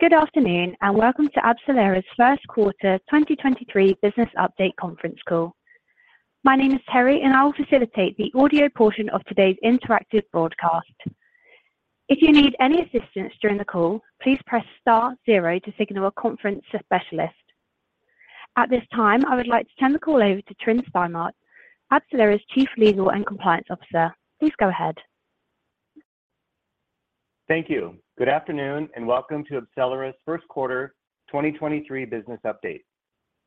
Good afternoon, and welcome to AbCellera's Q1 2023 Business Update Conference Call. My name is Terry, and I will facilitate the audio portion of today's interactive broadcast. If you need any assistance during the call, please press star zero to signal a conference specialist. At this time, I would like to turn the call over to Tryn Stimart, AbCellera's Chief Legal and Compliance Officer. Please go ahead. Thank you. Good afternoon, and welcome to AbCellera's Q1 2023 business update.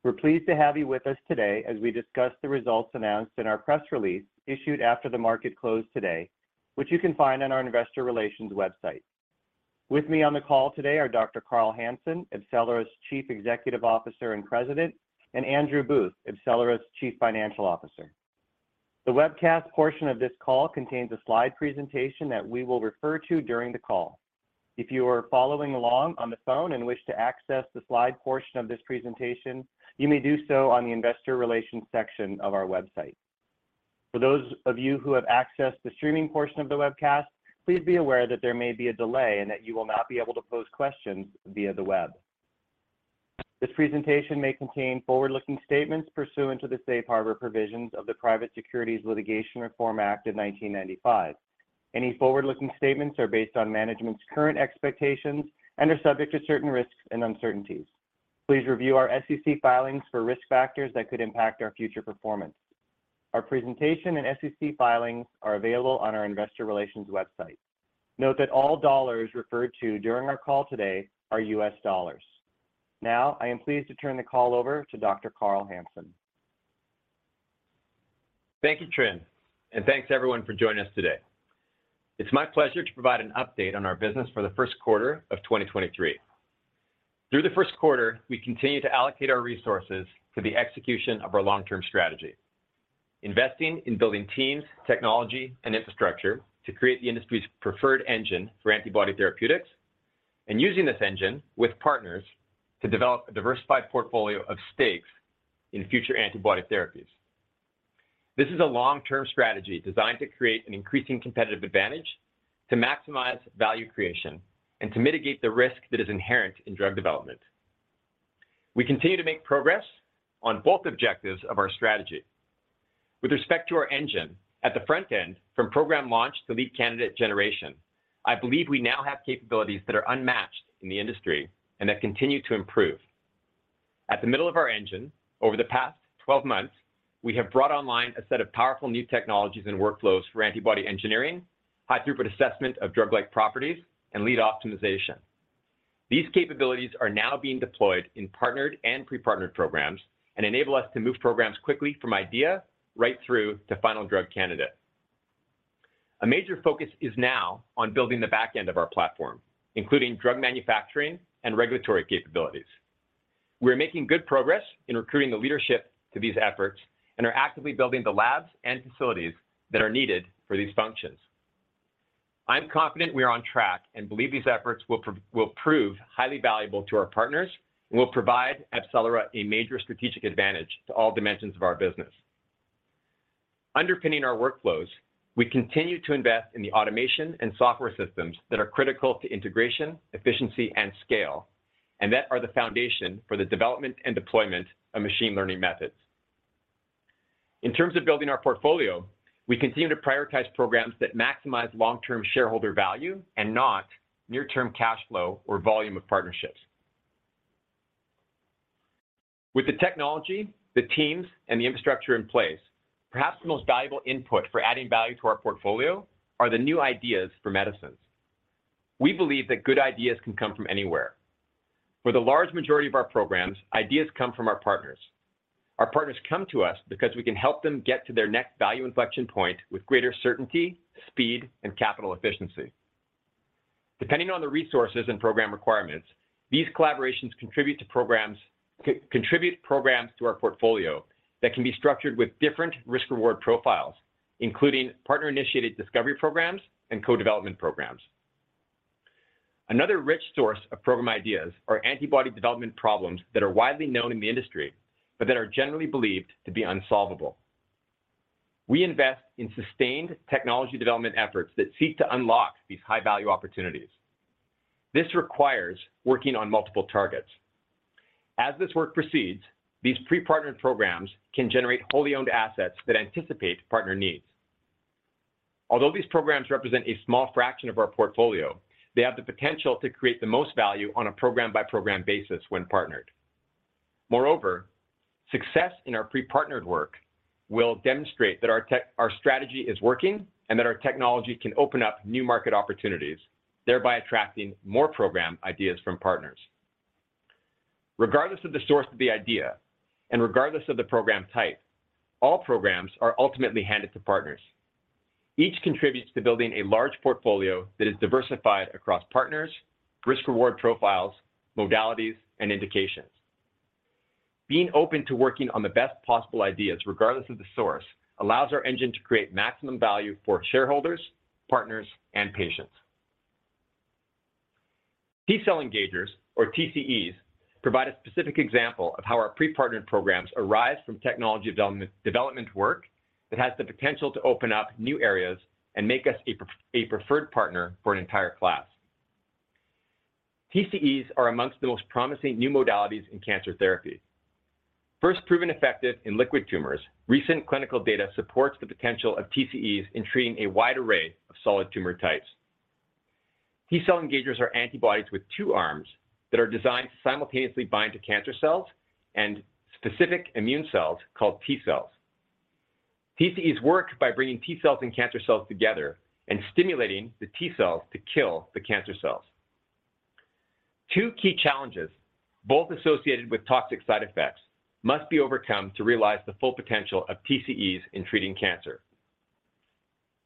We're pleased to have you with us today as we discuss the results announced in our press release issued after the market closed today, which you can find on our investor relations website. With me on the call today are Dr. Carl Hansen, AbCellera's Chief Executive Officer and President, and Andrew Booth, AbCellera's Chief Financial Officer. The webcast portion of this call contains a slide presentation that we will refer to during the call. If you are following along on the phone and wish to access the slide portion of this presentation, you may do so on the investor relations section of our website. For those of you who have accessed the streaming portion of the webcast, please be aware that there may be a delay and that you will not be able to pose questions via the web. This presentation may contain forward-looking statements pursuant to the Safe Harbor Provisions of the Private Securities Litigation Reform Act of 1995. Any forward-looking statements are based on management's current expectations and are subject to certain risks and uncertainties. Please review our SEC filings for risk factors that could impact our future performance. Our presentation and SEC filings are available on our investor relations website. Note that all dollars referred to during our call today are US dollars. Now, I am pleased to turn the call over to Dr. Carl Hansen. Thank you, Tryn, and thanks everyone for joining us today. It's my pleasure to provide an update on our business for the Q1 of 2023. Through the Q1, we continued to allocate our resources to the execution of our long-term strategy, investing in building teams, technology, and infrastructure to create the industry's preferred engine for antibody therapeutics and using this engine with partners to develop a diversified portfolio of stakes in future antibody therapies. This is a long-term strategy designed to create an increasing competitive advantage to maximize value creation and to mitigate the risk that is inherent in drug development. We continue to make progress on both objectives of our strategy. With respect to our engine, at the front end, from program launch to lead candidate generation, I believe we now have capabilities that are unmatched in the industry and that continue to improve. At the middle of our engine, over the past 12 months, we have brought online a set of powerful new technologies and workflows for antibody engineering, high-throughput assessment of drug-like properties, and lead optimization. These capabilities are now being deployed in partnered and pre-partnered programs and enable us to move programs quickly from idea right through to final drug candidate. A major focus is now on building the back end of our platform, including drug manufacturing and regulatory capabilities. We're making good progress in recruiting the leadership to these efforts and are actively building the labs and facilities that are needed for these functions. I'm confident we are on track and believe these efforts will prove highly valuable to our partners and will provide AbCellera a major strategic advantage to all dimensions of our business. Underpinning our workflows, we continue to invest in the automation and software systems that are critical to integration, efficiency, and scale, and that are the foundation for the development and deployment of machine learning methods. In terms of building our portfolio, we continue to prioritize programs that maximize long-term shareholder value and not near-term cash flow or volume of partnerships. With the technology, the teams, and the infrastructure in place, perhaps the most valuable input for adding value to our portfolio are the new ideas for medicines. We believe that good ideas can come from anywhere. For the large majority of our programs, ideas come from our partners. Our partners come to us because we can help them get to their next value inflection point with greater certainty, speed, and capital efficiency. Depending on the resources and program requirements, these collaborations contribute programs to our portfolio that can be structured with different risk-reward profiles, including partner-initiated discovery programs and co-development programs. Another rich source of program ideas are antibody development problems that are widely known in the industry but that are generally believed to be unsolvable. We invest in sustained technology development efforts that seek to unlock these high-value opportunities. This requires working on multiple targets. As this work proceeds, these pre-partnered programs can generate wholly owned assets that anticipate partner needs. Although these programs represent a small fraction of our portfolio, they have the potential to create the most value on a program-by-program basis when partnered. Moreover, success in our pre-partnered work will demonstrate that our strategy is working and that our technology can open up new market opportunities, thereby attracting more program ideas from partners. Regardless of the source of the idea and regardless of the program type, all programs are ultimately handed to partners. Each contributes to building a large portfolio that is diversified across partners, risk-reward profiles, modalities, and indications. Being open to working on the best possible ideas, regardless of the source, allows our engine to create maximum value for shareholders, partners, and patients. T-cell engagers, or TCEs, provide a specific example of how our pre-partnered programs arise from technology development work that has the potential to open up new areas and make us a preferred partner for an entire class. TCEs are amongst the most promising new modalities in cancer therapy. First proven effective in liquid tumors, recent clinical data supports the potential of TCEs in treating a wide array of solid tumor types. T cell engagers are antibodies with two arms that are designed to simultaneously bind to cancer cells and specific immune cells called T cells. TCEs work by bringing T cells and cancer cells together and stimulating the T cells to kill the cancer cells. Two key challenges, both associated with toxic side effects, must be overcome to realize the full potential of TCEs in treating cancer.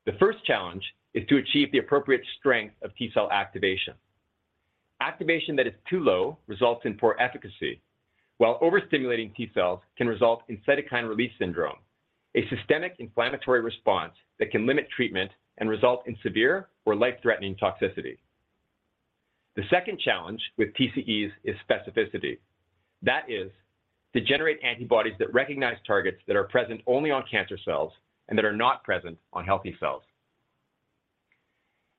The first challenge is to achieve the appropriate strength of T cell activation. Activation that is too low results in poor efficacy, while overstimulating T cells can result in cytokine release syndrome, a systemic inflammatory response that can limit treatment and result in severe or life-threatening toxicity. The second challenge with TCEs is specificity. That is, to generate antibodies that recognize targets that are present only on cancer cells and that are not present on healthy cells.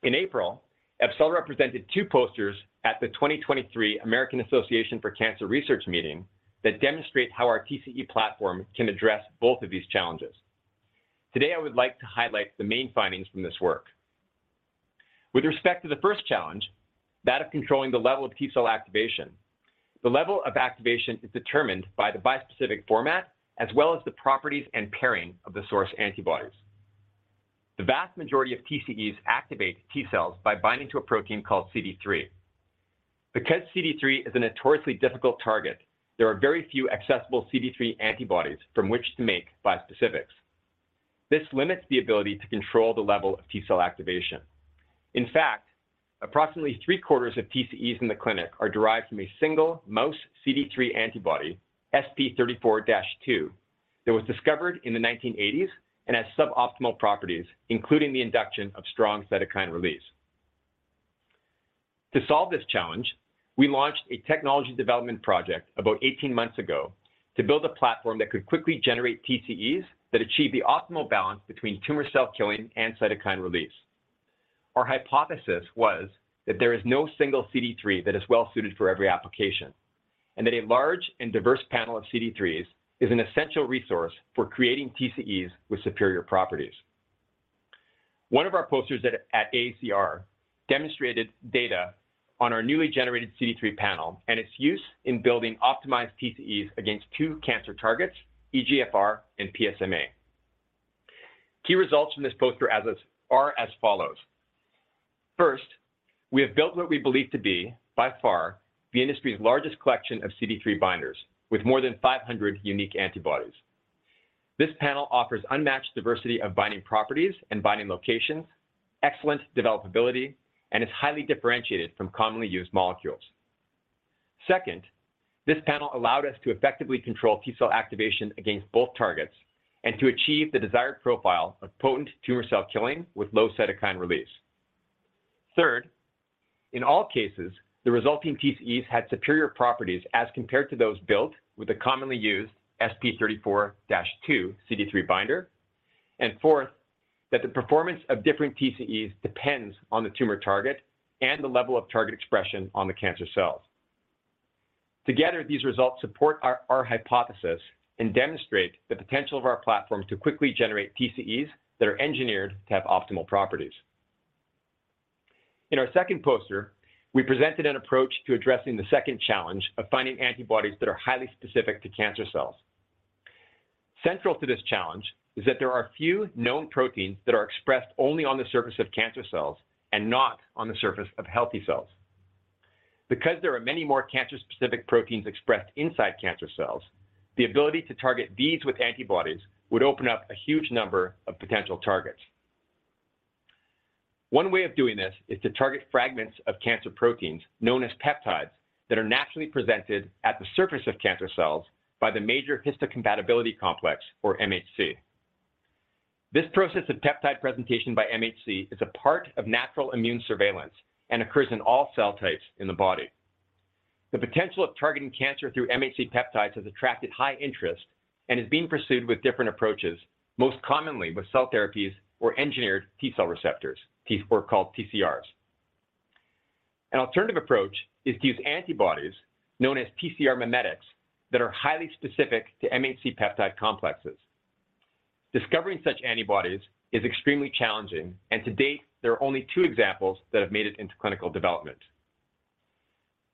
In April, AbCellera presented 2 posters at the 2023 American Association for Cancer Research meeting that demonstrate how our TCE platform can address both of these challenges. Today, I would like to highlight the main findings from this work. With respect to the first challenge, that of controlling the level of T cell activation, the level of activation is determined by the bispecific format as well as the properties and pairing of the source antibodies. The vast majority of TCEs activate T cells by binding to a protein called CD3. Because CD3 is a notoriously difficult target, there are very few accessible CD3 antibodies from which to make bispecifics. This limits the ability to control the level of T cell activation. Approximately three-quarters of TCEs in the clinic are derived from a single mouse CD3 antibody, SP34-2, that was discovered in the 1980s and has suboptimal properties, including the induction of strong cytokine release. To solve this challenge, we launched a technology development project about 18 months ago to build a platform that could quickly generate TCEs that achieve the optimal balance between tumor cell killing and cytokine release. Our hypothesis was that there is no single CD3 that is well suited for every application, and that a large and diverse panel of CD3s is an essential resource for creating TCEs with superior properties. One of our posters at AACR demonstrated data on our newly generated CD3 panel and its use in building optimized TCEs against two cancer targets, EGFR and PSMA. Key results from this poster are as follows. We have built what we believe to be, by far, the industry's largest collection of CD3 binders with more than 500 unique antibodies. This panel offers unmatched diversity of binding properties and binding locations, excellent developability, and is highly differentiated from commonly used molecules. This panel allowed us to effectively control T cell activation against both targets and to achieve the desired profile of potent tumor cell killing with low cytokine release. In all cases, the resulting TCEs had superior properties as compared to those built with a commonly used SP34-2 CD3 binder. That the performance of different TCEs depends on the tumor target and the level of target expression on the cancer cells. Together, these results support our hypothesis and demonstrate the potential of our platform to quickly generate TCEs that are engineered to have optimal properties. In our second poster, we presented an approach to addressing the second challenge of finding antibodies that are highly specific to cancer cells. Central to this challenge is that there are few known proteins that are expressed only on the surface of cancer cells and not on the surface of healthy cells. Because there are many more cancer-specific proteins expressed inside cancer cells, the ability to target these with antibodies would open up a huge number of potential targets. One way of doing this is to target fragments of cancer proteins known as peptides that are naturally presented at the surface of cancer cells by the major histocompatibility complex, or MHC. This process of peptide presentation by MHC is a part of natural immune surveillance and occurs in all cell types in the body. The potential of targeting cancer through MHC peptides has attracted high interest and is being pursued with different approaches, most commonly with cell therapies or engineered T-cell receptors, or called TCRs. An alternative approach is to use antibodies known as TCR mimetics that are highly specific to MHC peptide complexes. Discovering such antibodies is extremely challenging, and to date, there are only 2 examples that have made it into clinical development.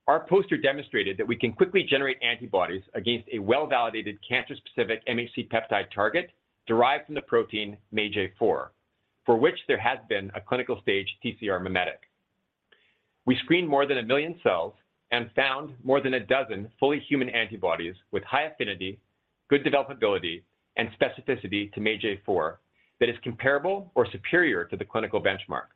Our poster demonstrated that we can quickly generate antibodies against a well-validated cancer-specific MHC peptide target derived from the protein MAGE-A4, for which there has been a clinical stage TCR mimetic. We screened more than 1 million cells and found more than a dozen fully human antibodies with high affinity, good developability, and specificity to MAGE-A4 that is comparable or superior to the clinical benchmark.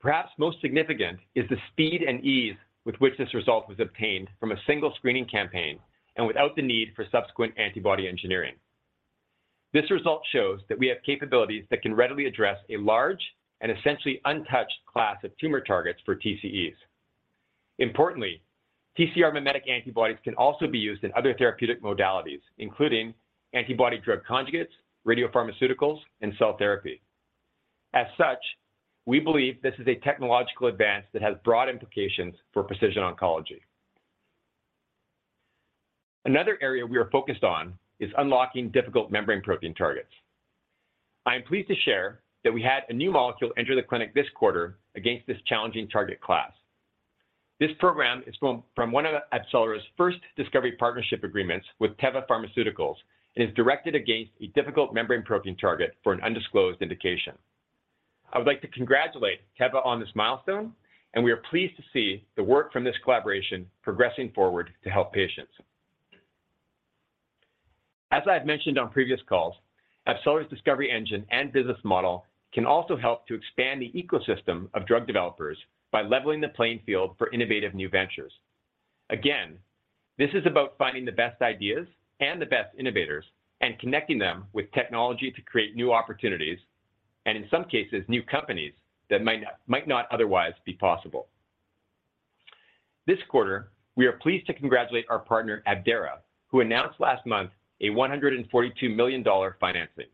Perhaps most significant is the speed and ease with which this result was obtained from a single screening campaign and without the need for subsequent antibody engineering. This result shows that we have capabilities that can readily address a large and essentially untouched class of tumor targets for TCEs. Importantly, TCR mimetic antibodies can also be used in other therapeutic modalities, including antibody-drug conjugates, radiopharmaceuticals, and cell therapy. We believe this is a technological advance that has broad implications for precision oncology. Another area we are focused on is unlocking difficult membrane protein targets. I am pleased to share that we had a new molecule enter the clinic this quarter against this challenging target class. This program is from one of AbCellera's first discovery partnership agreements with Teva Pharmaceuticals and is directed against a difficult membrane protein target for an undisclosed indication. I would like to congratulate Teva on this milestone, and we are pleased to see the work from this collaboration progressing forward to help patients. As I have mentioned on previous calls, AbCellera's discovery engine and business model can also help to expand the ecosystem of drug developers by leveling the playing field for innovative new ventures. Again, this is about finding the best ideas and the best innovators and connecting them with technology to create new opportunities, and in some cases, new companies that might not otherwise be possible. This quarter, we are pleased to congratulate our partner Abdera, who announced last month a $142 million financing.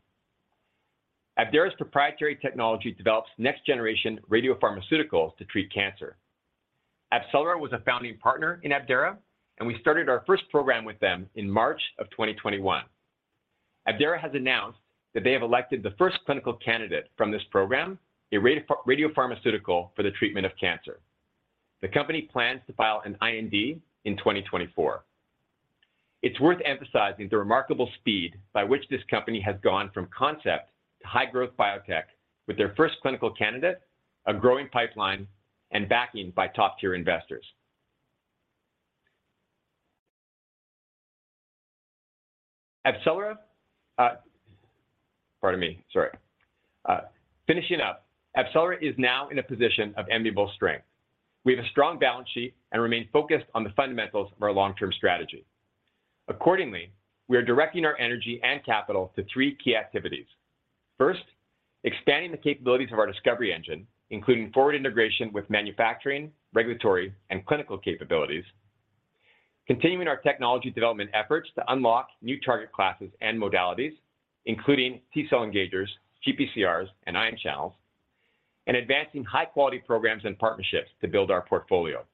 Abdera's proprietary technology develops next generation radiopharmaceuticals to treat cancer. AbCellera was a founding partner in Abdera, and we started our first program with them in March of 2021. Abdera has announced that they have elected the first clinical candidate from this program, a radiopharmaceutical for the treatment of cancer. The company plans to file an IND in 2024. It's worth emphasizing the remarkable speed by which this company has gone from concept to high-growth biotech with their first clinical candidate, a growing pipeline, and backing by top-tier investors. AbCellera, Pardon me, sorry. Finishing up, AbCellera is now in a position of enviable strength. We have a strong balance sheet and remain focused on the fundamentals of our long-term strategy. Accordingly, we are directing our energy and capital to three key activities. First, expanding the capabilities of our discovery engine, including forward integration with manufacturing, regulatory, and clinical capabilities. Continuing our technology development efforts to unlock new target classes and modalities, including T-cell engagers, GPCRs, and ion channels. Advancing high-quality programs and partnerships to build our portfolio.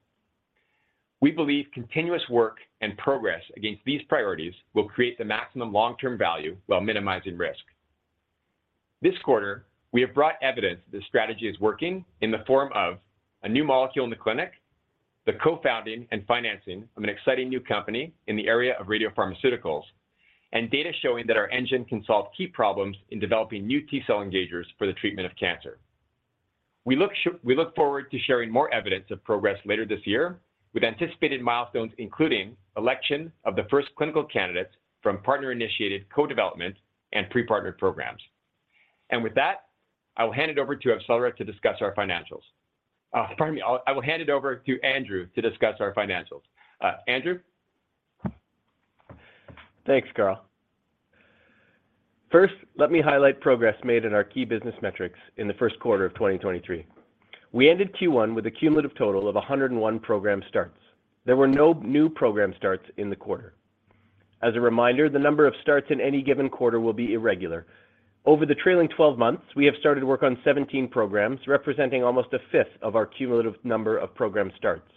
We believe continuous work and progress against these priorities will create the maximum long-term value while minimizing risk. This quarter, we have brought evidence that this strategy is working in the form of a new molecule in the clinic, the co-founding and financing of an exciting new company in the area of radiopharmaceuticals, and data showing that our engine can solve key problems in developing new T-cell engagers for the treatment of cancer. We look forward to sharing more evidence of progress later this year with anticipated milestones, including election of the first clinical candidates from partner-initiated co-development and pre-partnered programs. With that, I will hand it over to AbCellera to discuss our financials. Pardon me. I will hand it over to Andrew to discuss our financials. Andrew? Thanks, Carl. First, let me highlight progress made in our key business metrics in the Q1 of 2023. We ended Q1 with a cumulative total of 101 program starts. There were no new program starts in the quarter. As a reminder, the number of starts in any given quarter will be irregular. Over the trailing 12 months, we have started work on 17 programs, representing almost a fifth of our cumulative number of program starts.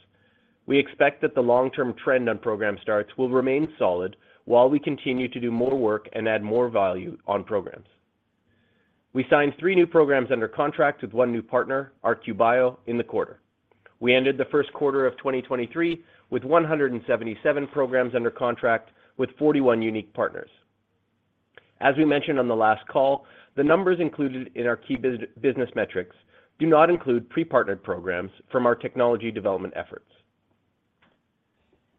We expect that the long-term trend on program starts will remain solid while we continue to do more work and add more value on programs. We signed three new programs under contract with one new partner, ArcaBio, in the quarter. We ended the Q1 of 2023 with 177 programs under contract with 41 unique partners. As we mentioned on the last call, the numbers included in our key business metrics do not include pre-partnered programs from our technology development efforts.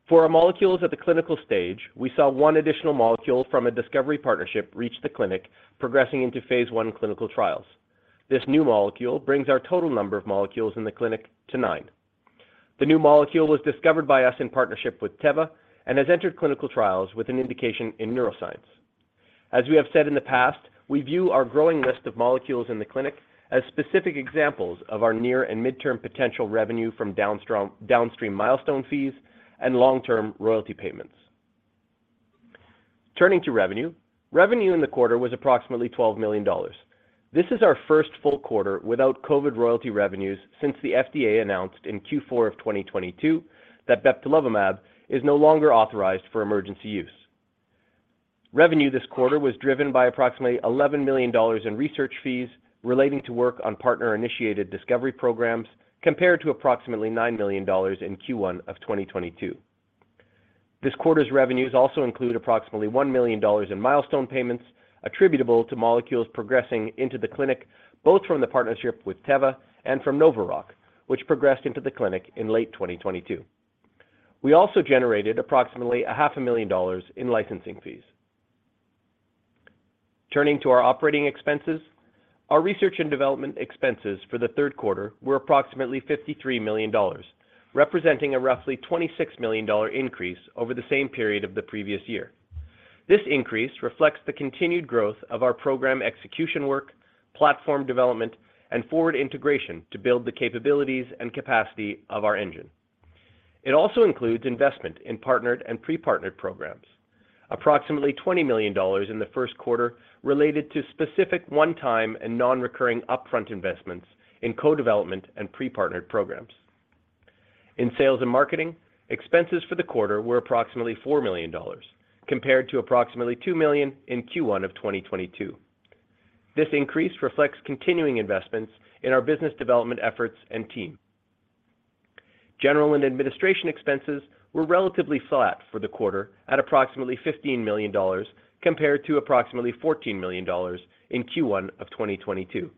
For our molecules at the clinical stage, we saw one additional molecule from a discovery partnership reach the clinic progressing into Phase 1 clinical trials. This new molecule brings our total number of molecules in the clinic to nine. The new molecule was discovered by us in partnership with Teva and has entered clinical trials with an indication in neuroscience. As we have said in the past, we view our growing list of molecules in the clinic as specific examples of our near and mid-term potential revenue from downstream milestone fees and long-term royalty payments. Turning to revenue in the quarter was approximately $12 million. This is our first full quarter without COVID royalty revenues since the FDA announced in Q4 of 2022 that bebtelovimab is no longer authorized for emergency use. Revenue this quarter was driven by approximately $11 million in research fees relating to work on partner-initiated discovery programs, compared to approximately $9 million in Q1 of 2022. This quarter's revenues also include approximately $1 million in milestone payments attributable to molecules progressing into the clinic, both from the partnership with Teva and from NovaRock, which progressed into the clinic in late 2022. We also generated approximately a half a million dollars in licensing fees. Turning to our operating expenses. Our research and development expenses for the Q3 were approximately $53 million, representing a roughly $26 million increase over the same period of the previous year. This increase reflects the continued growth of our program execution work, platform development, and forward integration to build the capabilities and capacity of our engine. It also includes investment in partnered and pre-partnered programs. Approximately $20 million in the Q1 related to specific one-time and non-recurring upfront investments in co-development and pre-partnered programs. In sales and marketing, expenses for the quarter were approximately $4 million, compared to approximately $2 million in Q1 of 2022. This increase reflects continuing investments in our business development efforts and team. General and administration expenses were relatively flat for the quarter at approximately $15 million compared to approximately $14 million in Q1 of 2022.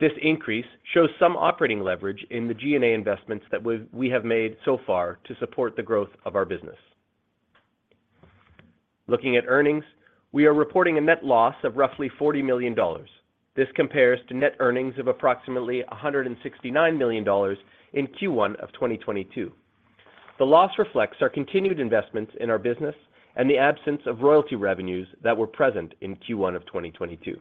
This increase shows some operating leverage in the G&A investments that we have made so far to support the growth of our business. Looking at earnings, we are reporting a net loss of roughly $40 million. This compares to net earnings of approximately $169 million in Q1 of 2022. The loss reflects our continued investments in our business and the absence of royalty revenues that were present in Q1 of 2022.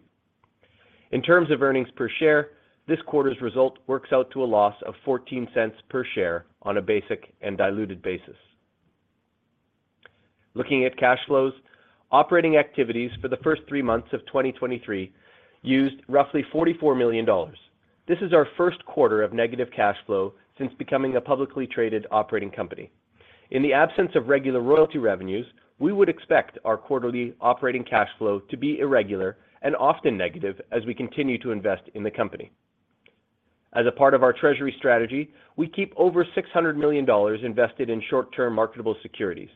In terms of earnings per share, this quarter's result works out to a loss of $0.14 per share on a basic and diluted basis. Looking at cash flows, operating activities for the first 3 months of 2023 used roughly $44 million. This is our Q1 of negative cash flow since becoming a publicly traded operating company. In the absence of regular royalty revenues, we would expect our quarterly operating cash flow to be irregular and often negative as we continue to invest in the company. As a part of our treasury strategy, we keep over $600 million invested in short-term marketable securities.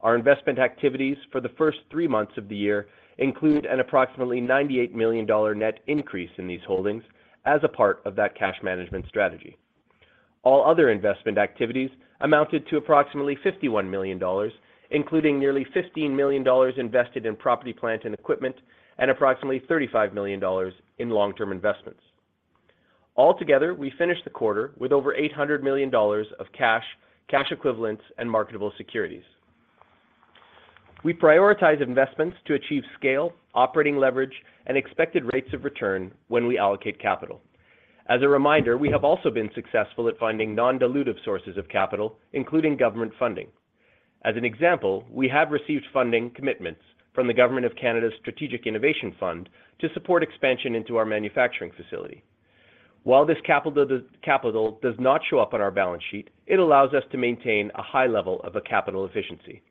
Our investment activities for the first 3 months of the year include an approximately $98 million net increase in these holdings as a part of that cash management strategy. All other investment activities amounted to approximately $51 million, including nearly $15 million invested in property, plant, and equipment, and approximately $35 million in long-term investments. Altogether, we finished the quarter with over $800 million of cash equivalents, and marketable securities. We prioritize investments to achieve scale, operating leverage, and expected rates of return when we allocate capital. As a reminder, we have also been successful at finding non-dilutive sources of capital, including government funding. As an example, we have received funding commitments from the Government of Canada's Strategic Innovation Fund to support expansion into our manufacturing facility. While this capital does not show up on our balance sheet, it allows us to maintain a high level of a capital efficiency.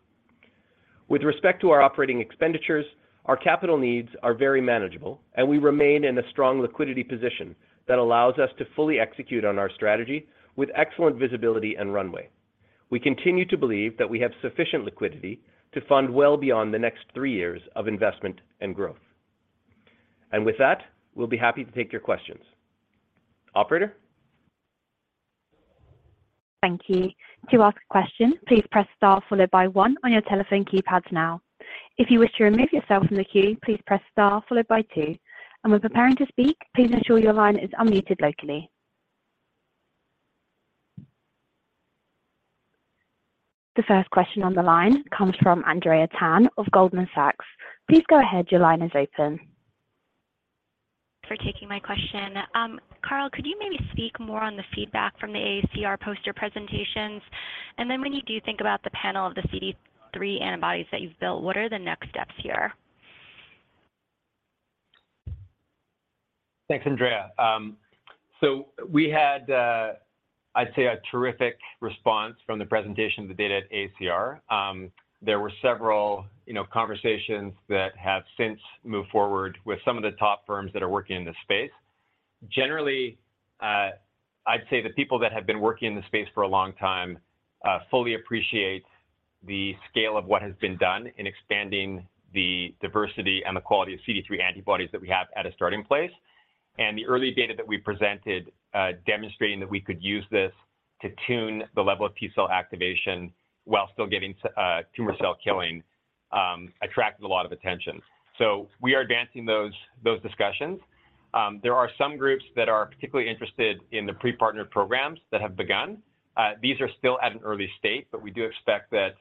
With respect to our operating expenditures, our capital needs are very manageable, and we remain in a strong liquidity position that allows us to fully execute on our strategy with excellent visibility and runway. We continue to believe that we have sufficient liquidity to fund well beyond the next three years of investment and growth. With that, we'll be happy to take your questions. Operator? Thank you. To ask a question, please press star followed by one on your telephone keypads now. If you wish to remove yourself from the queue, please press star followed by two, and when preparing to speak, please ensure your line is unmuted locally. The first question on the line comes from Andrea Tan of Goldman Sachs. Please go ahead. Your line is open. For taking my question. Carl, could you maybe speak more on the feedback from the AACR poster presentations? When you do think about the panel of the CD3 antibodies that you've built, what are the next steps here? Thanks, Andrea. We had, I'd say a terrific response from the presentation of the data at AACR. There were several, you know, conversations that have since moved forward with some of the top firms that are working in this space. Generally, I'd say the people that have been working in the space for a long time, fully appreciate the scale of what has been done in expanding the diversity and the quality of CD3 antibodies that we have at a starting place, and the early data that we presented, demonstrating that we could use this to tune the level of T-cell activation while still getting tumor cell killing, attracted a lot of attention. We are advancing those discussions. There are some groups that are particularly interested in the pre-partnered programs that have begun. These are still at an early stage, but we do expect that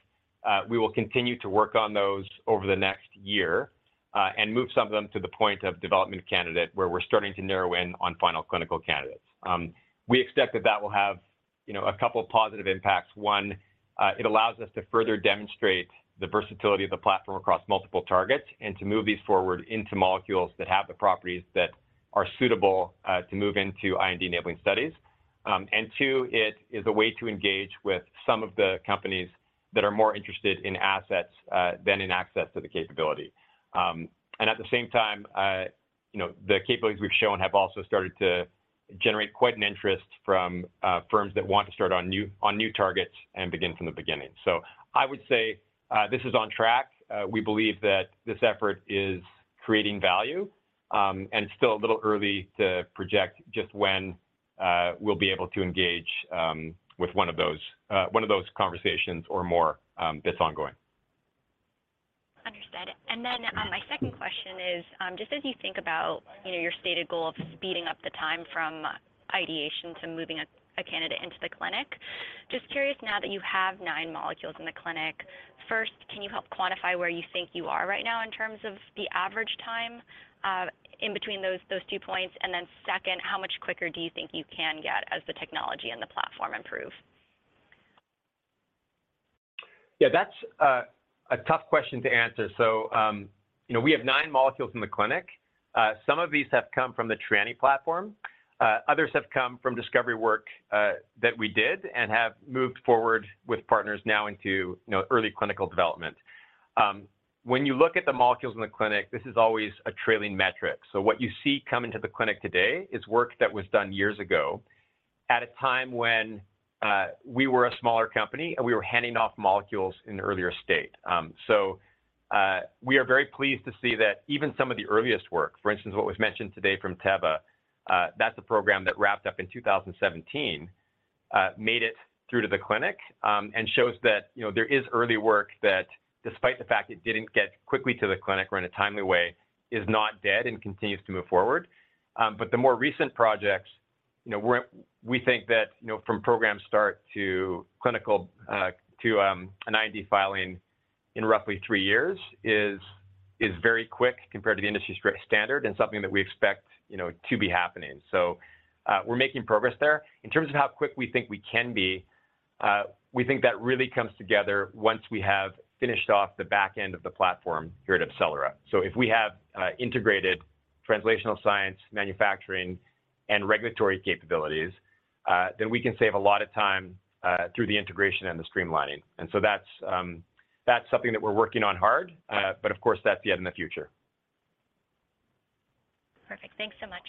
we will continue to work on those over the next year and move some of them to the point of development candidate where we're starting to narrow in on final clinical candidates. We expect that that will have, you know, a couple of positive impacts. One, it allows us to further demonstrate the versatility of the platform across multiple targets and to move these forward into molecules that have the properties that are suitable to move into IND enabling studies. Two, it is a way to engage with some of the companies that are more interested in assets than in access to the capability. At the same time, you know, the capabilities we've shown have also started to generate quite an interest from firms that want to start on new, on new targets and begin from the beginning. I would say, this is on track. We believe that this effort is creating value, and it's still a little early to project just when we'll be able to engage with one of those, one of those conversations or more, that's ongoing. Understood. My second question is, just as you think about, you know, your stated goal of speeding up the time from ideation to moving a candidate into the clinic, just curious now that you have nine molecules in the clinic, first, can you help quantify where you think you are right now in terms of the average time, in between those two points? Second, how much quicker do you think you can get as the technology and the platform improve? That's a tough question to answer. You know, we have nine molecules in the clinic. Some of these have come from the Trianni platform. Others have come from discovery work that we did and have moved forward with partners now into, you know, early clinical development. When you look at the molecules in the clinic, this is always a trailing metric. What you see coming to the clinic today is work that was done years ago at a time when we were a smaller company, and we were handing off molecules in the earlier state. We are very pleased to see that even some of the earliest work, for instance, what was mentioned today from Teva, that's a program that wrapped up in 2017, made it through to the clinic, and shows that, you know, there is early work that despite the fact it didn't get quickly to the clinic or in a timely way, is not dead and continues to move forward. The more recent projects, you know, we think that, you know, from program start to clinical, to an IND filing in roughly 3 years is very quick compared to the industry's standard and something that we expect, you know, to be happening. We're making progress there. In terms of how quick we think we can be, we think that really comes together once we have finished off the back end of the platform here at AbCellera. If we have integrated translational science, manufacturing, and regulatory capabilities, then we can save a lot of time through the integration and the streamlining. That's something that we're working on hard. Of course, that's yet in the future. Perfect. Thanks so much.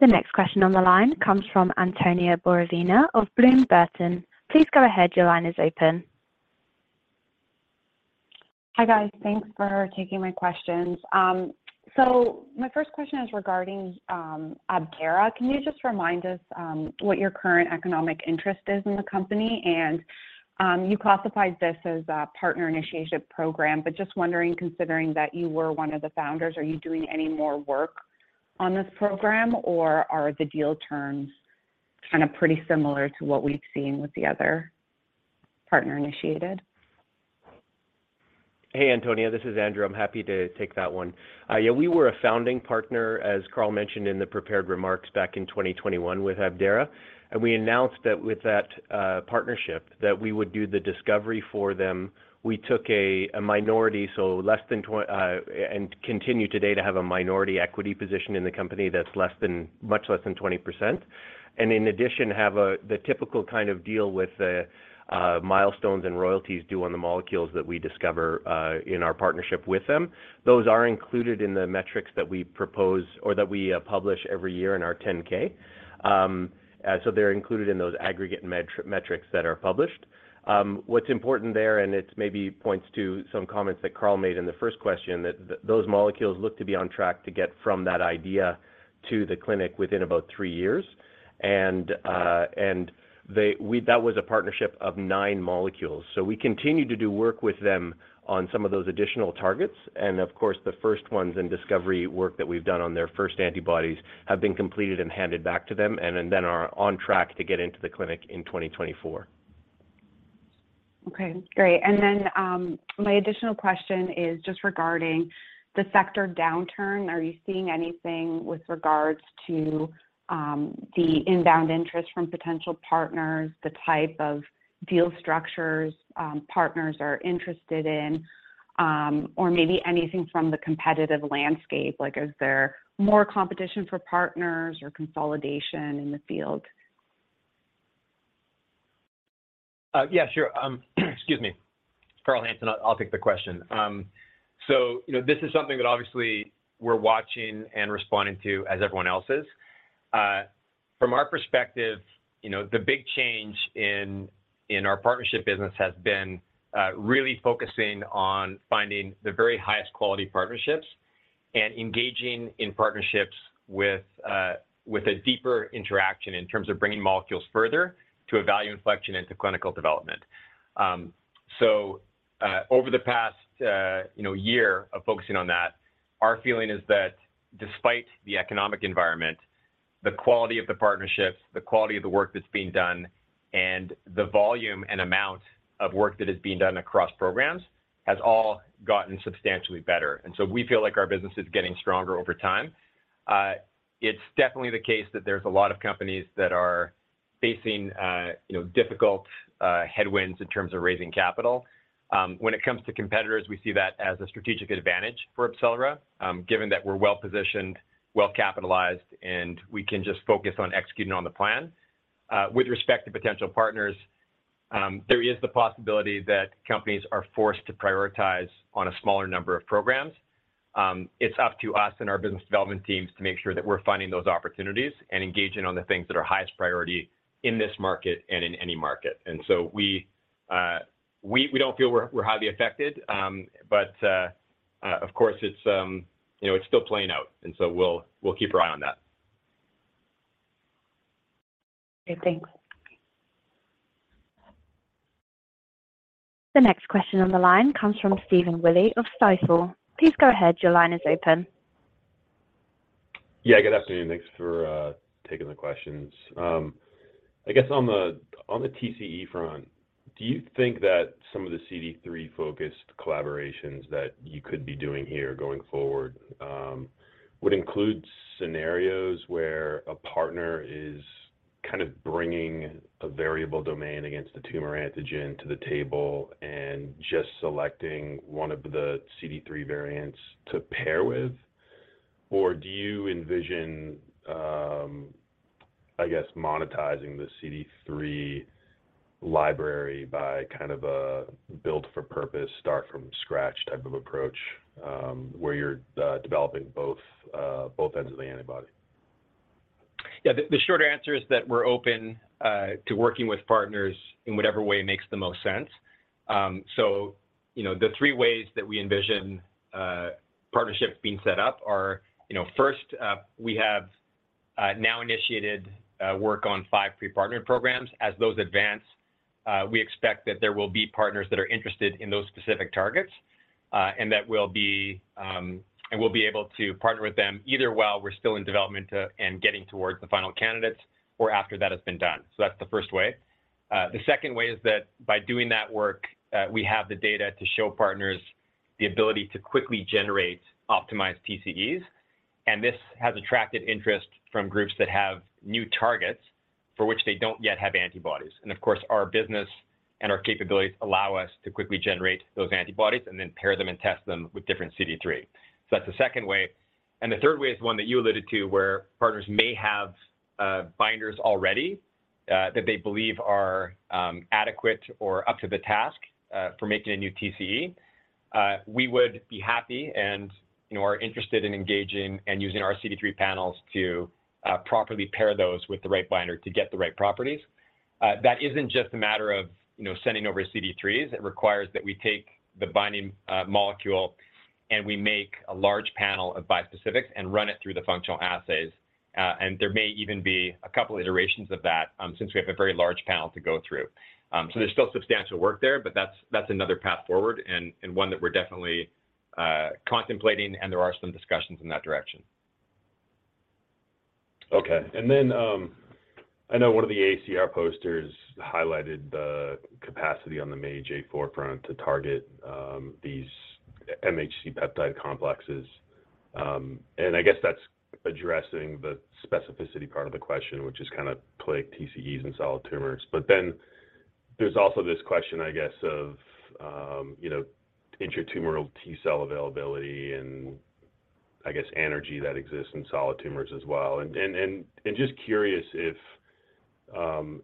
The next question on the line comes from Antonia Borovina of Bloom Burton. Please go ahead. Your line is open. Hi, guys. Thanks for taking my questions. My first question is regarding Abdera. Can you just remind us what your current economic interest is in the company? You classified this as a partner initiative program, but just wondering, considering that you were one of the founders, are you doing any more work on this program, or are the deal terms kind of pretty similar to what we've seen with the other partner-initiated? Hey, Antonia. This is Andrew. I'm happy to take that one. Yeah, we were a founding partner, as Carl mentioned in the prepared remarks back in 2021 with Abdera, we announced that with that partnership that we would do the discovery for them. We took a minority, so less than and continue today to have a minority equity position in the company that's less than, much less than 20%, in addition, have the typical kind of deal with the milestones and royalties due on the molecules that we discover in our partnership with them. Those are included in the metrics that we propose or that we publish every year in our 10-K. They're included in those aggregate metrics that are published. What's important there, and it maybe points to some comments that Carl made in the first question, that those molecules look to be on track to get from that idea to the clinic within about 3 years. That was a partnership of 9 molecules. We continue to do work with them on some of those additional targets. Of course, the first ones in discovery work that we've done on their first antibodies have been completed and handed back to them and then are on track to get into the clinic in 2024. Okay, great. My additional question is just regarding the sector downturn. Are you seeing anything with regards to, the inbound interest from potential partners, the type of deal structures, partners are interested in, or maybe anything from the competitive landscape? Like, is there more competition for partners or consolidation in the field? Yeah, sure. Excuse me. Carl Hansen, I'll take the question. You know, this is something that obviously we're watching and responding to as everyone else is. From our perspective, you know, the big change in our partnership business has been really focusing on finding the very highest quality partnerships and engaging in partnerships with a deeper interaction in terms of bringing molecules further to a value inflection into clinical development. Over the past, you know, year of focusing on that, our feeling is that despite the economic environment, the quality of the partnerships, the quality of the work that's being done, and the volume and amount of work that is being done across programs has all gotten substantially better. We feel like our business is getting stronger over time. It's definitely the case that there's a lot of companies that are facing, you know, difficult headwinds in terms of raising capital. When it comes to competitors, we see that as a strategic advantage for AbCellera, given that we're well-positioned, well-capitalized, and we can just focus on executing on the plan. With respect to potential partners, there is the possibility that companies are forced to prioritize on a smaller number of programs. It's up to us and our business development teams to make sure that we're finding those opportunities and engaging on the things that are highest priority in this market and in any market. We don't feel we're highly affected. Of course it's, you know, it's still playing out, and so we'll keep our eye on that. Okay, thanks. The next question on the line comes from Stephen Willey of Stifel. Please go ahead. Your line is open. Good afternoon. Thanks for taking the questions. I guess on the TCE front, do you think that some of the CD3-focused collaborations that you could be doing here going forward would include scenarios where a partner is kind of bringing a variable domain against the tumor antigen to the table and just selecting one of the CD3 variants to pair with? Or do you envision, I guess, monetizing the CD3 library by kind of a build-for-purpose, start-from-scratch type of approach where you're developing both ends of the antibody? Yeah. The short answer is that we're open to working with partners in whatever way makes the most sense. You know, the three ways that we envision partnerships being set up are, you know, first, we have now initiated work on five pre-partnered programs. As those advance, we expect that there will be partners that are interested in those specific targets, and we'll be able to partner with them either while we're still in development, and getting towards the final candidates or after that has been done. That's the first way. The second way is that by doing that work, we have the data to show partners the ability to quickly generate optimized TCEs, this has attracted interest from groups that have new targets for which they don't yet have antibodies. Of course, our business and our capabilities allow us to quickly generate those antibodies and then pair them and test them with different CD3. That's the second way. The third way is one that you alluded to, where partners may have binders already, that they believe are adequate or up to the task for making a new TCE. We would be happy and, you know, are interested in engaging and using our CD3 panels to properly pair those with the right binder to get the right properties. That isn't just a matter of, you know, sending over CD3s. It requires that we take the binding molecule, and we make a large panel of bispecifics and run it through the functional assays. There may even be a couple iterations of that since we have a very large panel to go through. There's still substantial work there, but that's another path forward and one that we're definitely contemplating, and there are some discussions in that direction. Okay. I know one of the AACR posters highlighted the capacity on the MAGE forefront to target these MHC peptide complexes. I guess that's addressing the specificity part of the question, which is kind of play TCEs in solid tumors. There's also this question, I guess, of, you know, intratumoral T-cell availability and I guess anergy that exists in solid tumors as well. Just curious if,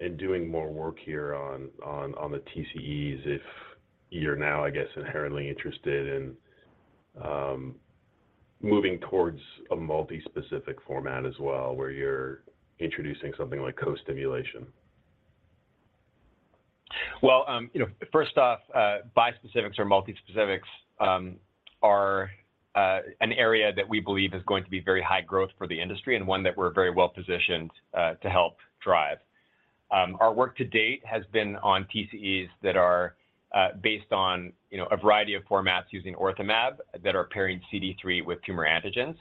in doing more work here on the TCEs, if you're now, I guess, inherently interested in moving towards a multi-specific format as well, where you're introducing something like co-stimulation? You know, first off, bispecifics or multispecifics are an area that we believe is going to be very high growth for the industry and one that we're very well-positioned to help drive. Our work to date has been on TCEs that are based on, you know, a variety of formats using OrthoMab that are pairing CD3 with tumor antigens.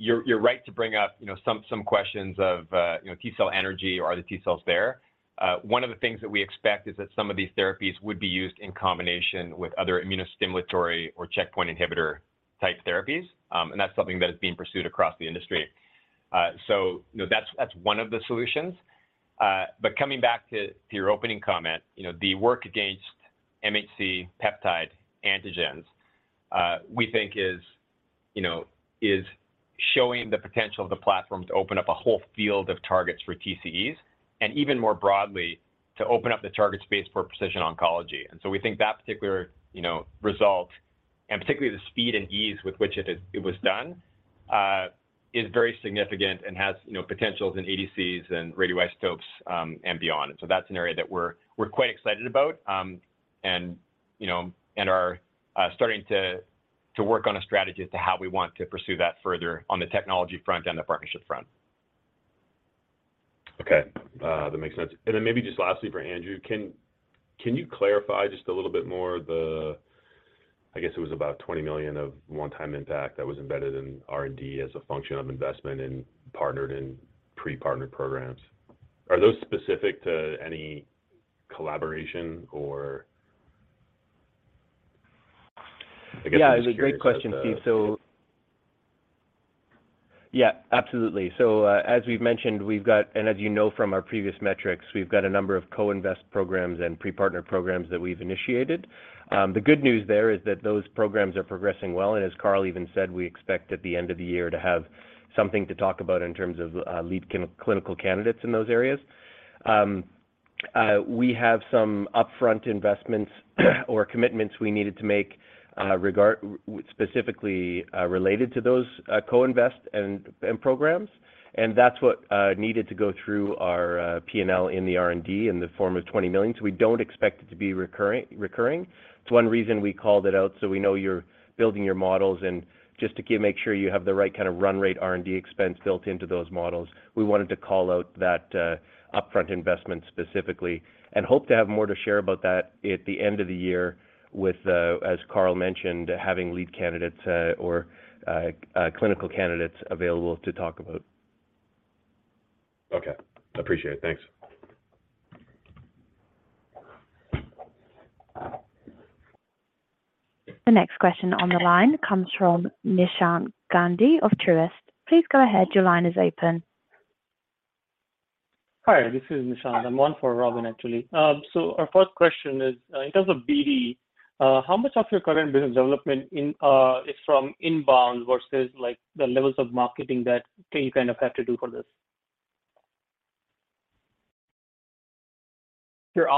You're right to bring up, you know, some questions of, you know, T-cell anergy. Are the T-cells there? One of the things that we expect is that some of these therapies would be used in combination with other immunostimulatory or checkpoint inhibitor-type therapies, and that's something that is being pursued across the industry. You know, that's one of the solutions. Coming back to your opening comment, you know, the work against MHC peptide antigens, we think is, you know, is showing the potential of the platform to open up a whole field of targets for TCEs, and even more broadly, to open up the target space for precision oncology. We think that particular, you know, result, and particularly the speed and ease with which it was done, is very significant and has, you know, potentials in ADCs and radioisotopes, and beyond. That's an area that we're quite excited about, and, you know, and are, starting to work on a strategy as to how we want to pursue that further on the technology front and the partnership front. Okay. that makes sense. Maybe just lastly for Andrew, can you clarify just a little bit more the, I guess it was about $20 million of one-time impact that was embedded in R&D as a function of investment in partnered and pre-partnered programs. Are those specific to any collaboration or... I guess I'm just curious. Yeah. It's a great question, Steve. Yeah, absolutely. As we've mentioned, as you know from our previous metrics, we've got a number of co-invest programs and pre-partner programs that we've initiated. The good news there is that those programs are progressing well, and as Carl even said, we expect at the end of the year to have something to talk about in terms of lead clinical candidates in those areas. We have some upfront investments or commitments we needed to make specifically related to those co-invest and programs, and that's what needed to go through our P&L in the R&D in the form of $20 million. We don't expect it to be recurring. It's one reason we called it out, so we know you're building your models and just to make sure you have the right kind of run rate R&D expense built into those models. We wanted to call out that upfront investment specifically and hope to have more to share about that at the end of the year with as Carl mentioned, having lead candidates or clinical candidates available to talk about. Okay. I appreciate it. Thanks. The next question on the line comes from Nishant Gandhi of Truist. Please go ahead. Your line is open. Hi, this is Nishant. I'm on for Robyn, actually. Our first question is, in terms of BD, how much of your current business development in, is from inbound versus, like, the levels of marketing that you kind of have to do for this? Sure.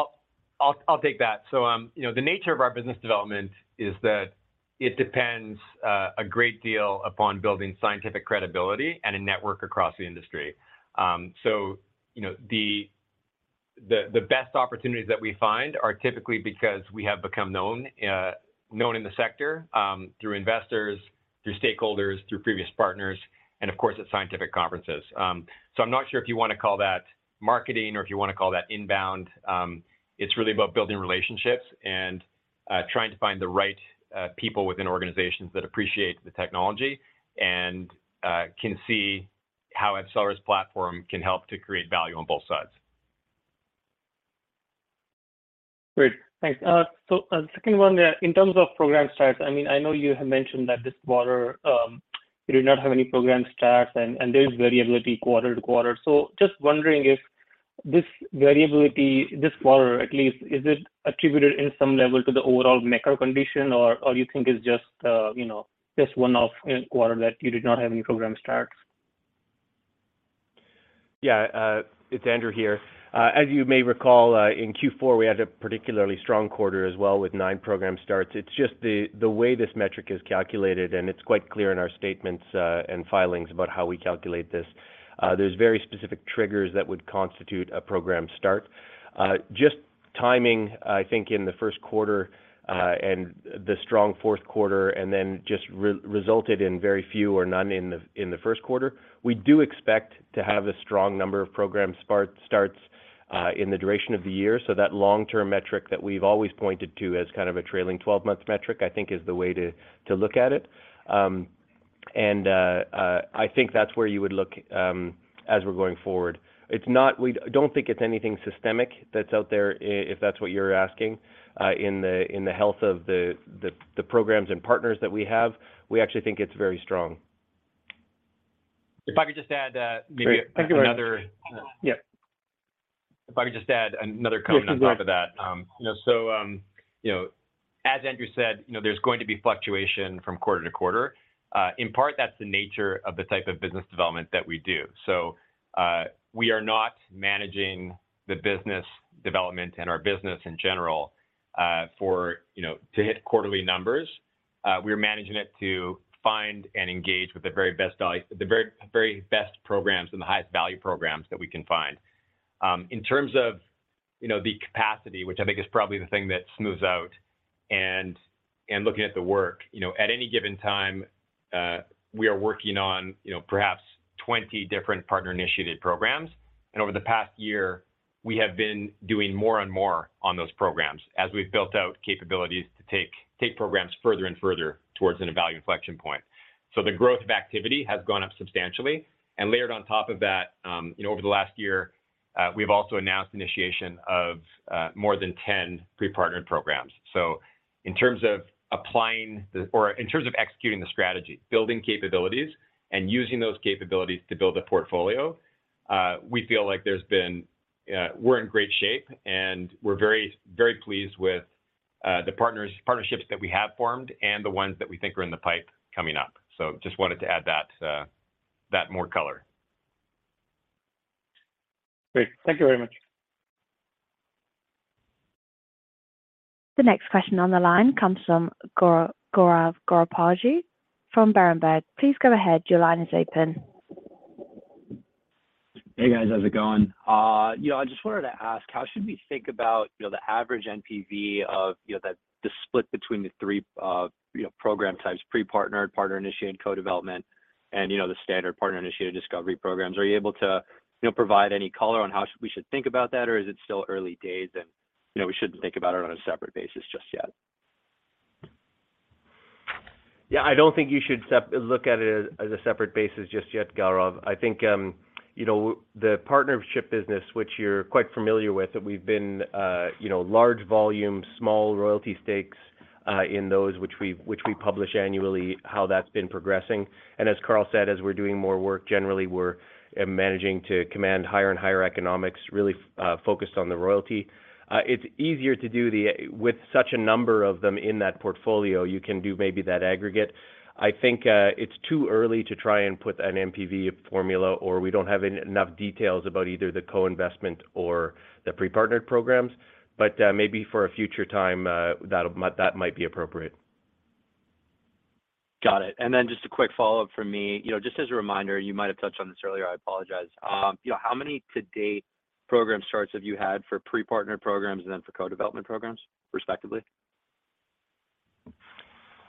I'll take that. You know, the nature of our business development is that it depends a great deal upon building scientific credibility and a network across the industry. You know, the best opportunities that we find are typically because we have become known in the sector, through investors, through stakeholders, through previous partners, and of course at scientific conferences. I'm not sure if you wanna call that marketing or if you wanna call that inbound. It's really about building relationships and trying to find the right people within organizations that appreciate the technology and can see how AbCellera's platform can help to create value on both sides. Great. Thanks. A second one. In terms of program starts, I mean, I know you have mentioned that this quarter, you did not have any program starts and there is variability quarter to quarter. Just wondering if this variability this quarter at least, is it attributed in some level to the overall macro condition or you think it's just, you know, just one-off quarter that you did not have any program starts? Yeah. It's Andrew here. As you may recall, in Q4, we had a particularly strong quarter as well with 9 program starts. It's just the way this metric is calculated, and it's quite clear in our statements, and filings about how we calculate this. There's very specific triggers that would constitute a program start. Just timing, I think, in the Q1, and the strong Q4 and then just resulted in very few or none in the Q1. We do expect to have a strong number of program starts, in the duration of the year. That long-term metric that we've always pointed to as kind of a trailing 12-month metric, I think is the way to look at it. I think that's where you would look, as we're going forward. We don't think it's anything systemic that's out there, if that's what you're asking, in the health of the programs and partners that we have. We actually think it's very strong. If I could just add. Great. Thank you very much. Yeah. If I could just add another comment on top of that. Yes, please. You know, as Andrew said, you know, there's going to be fluctuation from quarter-to-quarter. In part, that's the nature of the type of business development that we do. We are not managing the business development and our business in general, for, you know, to hit quarterly numbers. We're managing it to find and engage with the very, very best programs and the highest value programs that we can find. In terms of, you know, the capacity, which I think is probably the thing that smooths out and looking at the work. You know, at any given time, we are working on, perhaps 20 different partner-initiated programs. Over the past year, we have been doing more and more on those programs as we've built out capabilities to take programs further and further towards an value inflection point. The growth of activity has gone up substantially. Layered on top of that, you know, over the last year, we've also announced initiation of more than 10 pre-partnered programs. In terms of applying or in terms of executing the strategy, building capabilities and using those capabilities to build a portfolio, we feel like there's been, we're in great shape, and we're very, very pleased with the partnerships that we have formed and the ones that we think are in the pipe coming up. Just wanted to add that more color. Great. Thank you very much. The next question on the line comes from Gaurav Goparaju from Berenberg. Please go ahead. Your line is open. Hey, guys. How's it going? You know, I just wanted to ask, how should we think about, you know, the average NPV of, you know, the split between the 3, you know, program types, pre-partnered, partner-initiated, co-development, and, you know, the standard partner-initiated discovery programs? Are you able to, you know, provide any color on how we should think about that, or is it still early days and, you know, we shouldn't think about it on a separate basis just yet? I don't think you should look at it as a separate basis just yet, Gaurav. I think, you know, the partnership business, which you're quite familiar with, we've been, you know, large volume, small royalty stakes, in those which we, which we publish annually how that's been progressing. As Carl said, as we're doing more work, generally we're managing to command higher and higher economics, really focused on the royalty. It's easier to do the, with such a number of them in that portfolio, you can do maybe that aggregate. I think, it's too early to try and put an NPV formula or we don't have enough details about either the co-investment or the pre-partnered programs. Maybe for a future time, that might be appropriate. Got it. Just a quick follow-up from me. You know, just as a reminder, you might have touched on this earlier, I apologize. You know, how many to date program starts have you had for pre-partnered programs and then for co-development programs, respectively?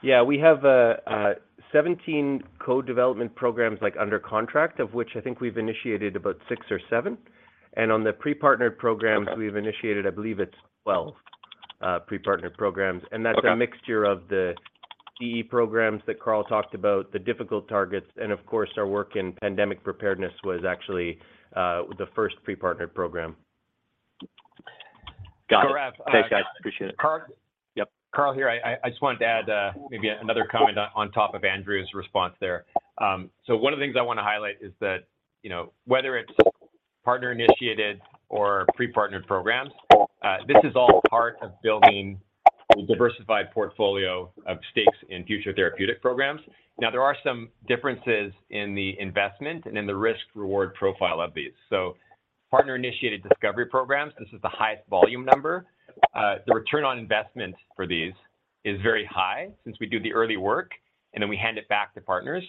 Yeah. We have 17 co-development programs like under contract, of which I think we've initiated about 6 or 7. on the pre-partnered programs. Okay We've initiated, I believe it's 12 pre-partnered programs. Okay. That's a mixture of the DE programs that Carl talked about, the difficult targets, and of course, our work in pandemic preparedness was actually the first pre-partnered program. Got it. Gaurav. Thanks, guys. Appreciate it. Carl? Yep. Carl here. I just wanted to add maybe another comment on top of Andrew's response there. One of the things I wanna highlight is that, you know, whether it's partner-initiated or pre-partnered programs, this is all part of building a diversified portfolio of stakes in future therapeutic programs. Now, there are some differences in the investment and in the risk-reward profile of these. Partner-initiated discovery programs, this is the highest volume number. The return on investment for these is very high since we do the early work, and then we hand it back to partners.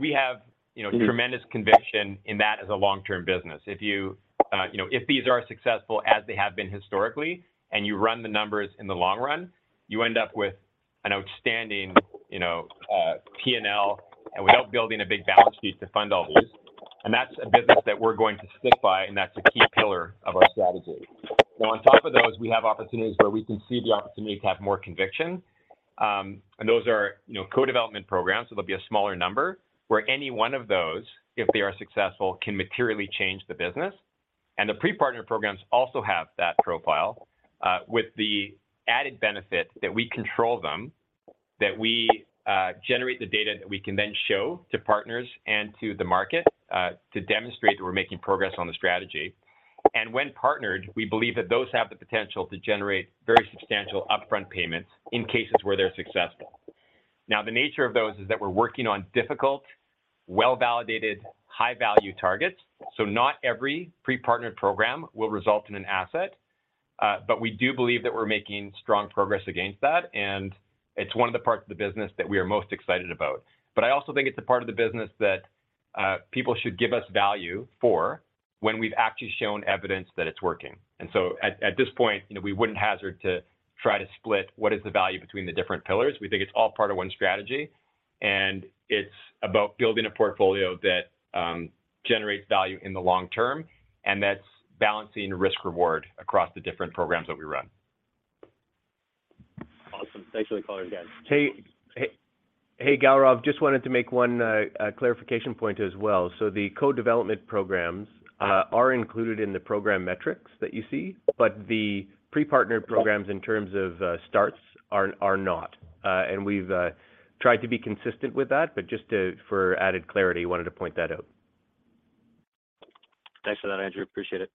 We have, you know, tremendous conviction in that as a long-term business. If you know, if these are successful as they have been historically, and you run the numbers in the long run, you end up with an outstanding, you know, P&L, and without building a big balance sheet to fund all these. That's a business that we're going to stick by, and that's a key pillar of our strategy. On top of those, we have opportunities where we can see the opportunity to have more conviction, and those are, you know, co-development programs, so there'll be a smaller number, where any one of those, if they are successful, can materially change the business. The pre-partner programs also have that profile, with the added benefit that we control them, that we generate the data that we can then show to partners and to the market, to demonstrate that we're making progress on the strategy. When partnered, we believe that those have the potential to generate very substantial upfront payments in cases where they're successful. The nature of those is that we're working on difficult, well-validated, high-value targets, so not every pre-partnered program will result in an asset. We do believe that we're making strong progress against that, and it's one of the parts of the business that we are most excited about. I also think it's a part of the business that people should give us value for when we've actually shown evidence that it's working. At this point, you know, we wouldn't hazard to try to split what is the value between the different pillars. We think it's all part of one strategy, and it's about building a portfolio that generates value in the long term, and that's balancing risk/reward across the different programs that we run. Awesome. Thanks for the color, guys. Hey, Gaurav. Just wanted to make one clarification point as well. The co-development programs are included in the program metrics that you see, but the pre-partnered programs in terms of starts are not. We've tried to be consistent with that, but just for added clarity, wanted to point that out. Thanks for that, Andrew. Appreciate it.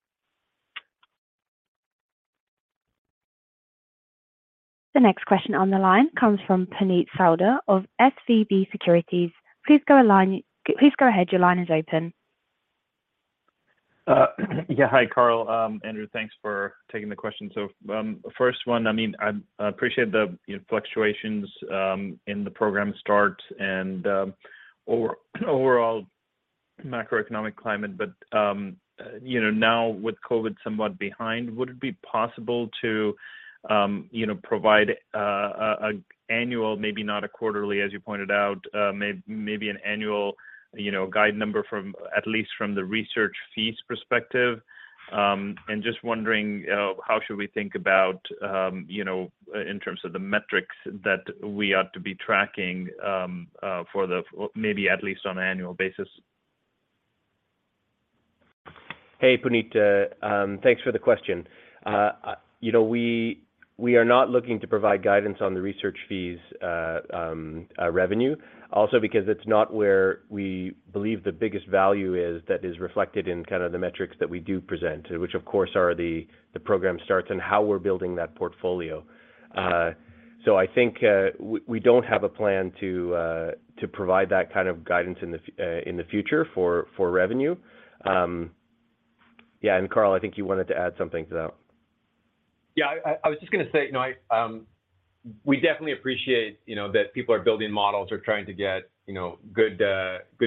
The next question on the line comes from Puneet Souda of SVB Securities. Please go ahead. Your line is open. Yeah. Hi, Carl. Andrew, thanks for taking the question. First one, I mean, I appreciate the, you know, fluctuations in the program start and overall macroeconomic climate. Now with COVID somewhat behind, would it be possible to, you know, provide an annual, maybe not a quarterly as you pointed out, maybe an annual, you know, guide number from at least from the research fees perspective? Just wondering, how should we think about, you know, in terms of the metrics that we ought to be tracking for the maybe at least on an annual basis? Hey, Puneet. Thanks for the question. You know, we are not looking to provide guidance on the research fees revenue, also because it's not where we believe the biggest value is that is reflected in kind of the metrics that we do present, which of course are the program starts and how we're building that portfolio. Sure. I think we don't have a plan to provide that kind of guidance in the future for revenue. Yeah, Carl, I think you wanted to add something to that. Yeah. I was just gonna say, you know, I, we definitely appreciate, you know, that people are building models or trying to get, you know, good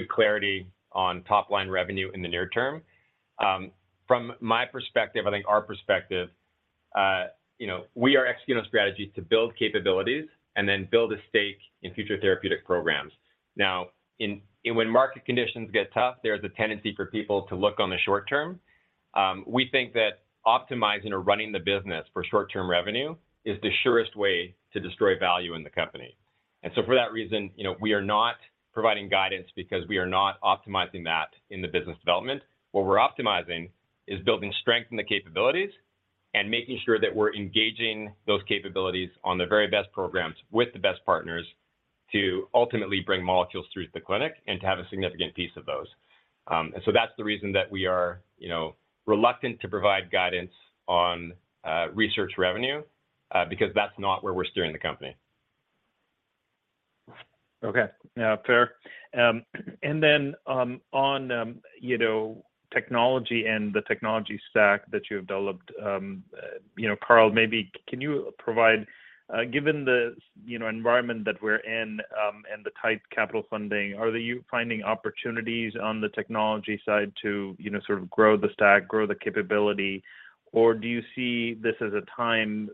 clarity on top-line revenue in the near term. From my perspective, I think our perspective, you know, we are executing on strategies to build capabilities and then build a stake in future therapeutic programs. Now, when market conditions get tough, there's a tendency for people to look on the short term. We think that optimizing or running the business for short-term revenue is the surest way to destroy value in the company. For that reason, you know, we are not providing guidance because we are not optimizing that in the business development. What we're optimizing is building strength in the capabilities and making sure that we're engaging those capabilities on the very best programs with the best partners to ultimately bring molecules through to the clinic and to have a significant piece of those. That's the reason that we are, you know, reluctant to provide guidance on research revenue, because that's not where we're steering the company. Okay. Yeah, fair. On, you know, technology and the technology stack that you have developed, you know, Carl, maybe can you provide, given the, you know, environment that we're in, and the tight capital funding, are you finding opportunities on the technology side to, you know, sort of grow the stack, grow the capability? Or do you see this as a time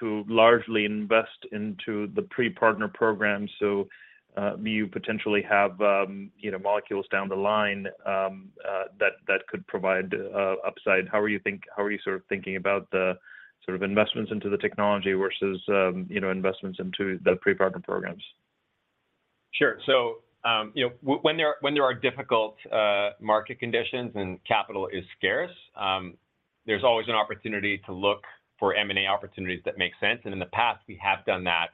to largely invest into the pre-partner program, so, you potentially have, you know, molecules down the line, that could provide, upside? How are you sort of thinking about the sort of investments into the technology versus, you know, investments into the pre-partner programs? Sure. When there are difficult market conditions and capital is scarce, there's always an opportunity to look for M&A opportunities that make sense. In the past, we have done that